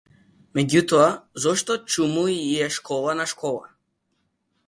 Меѓутоа зошто, чуму ѝ е школа на школа?